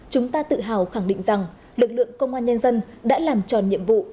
chúng ta tự hào khẳng định rằng lực lượng công an nhân dân đã làm tròn nhiệm vụ